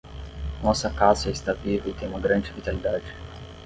Nossa acácia está viva e tem uma grande vitalidade.